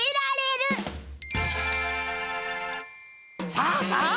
さあさあ